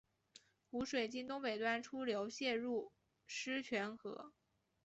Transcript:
湖水经东北端出流泄入狮泉河。